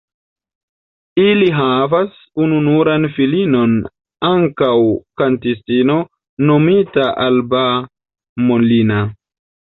Ili havas ununuran filinon ankaŭ kantistino nomita Alba Molina.